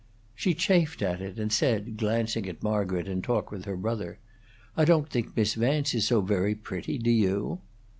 She chafed at it, and said, glancing at Margaret in talk with her brother, "I don't think Miss Vance is so very pretty, do you?"